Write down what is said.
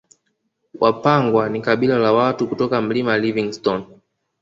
Wapangwa ni kabila la watu kutoka Milima Livingstone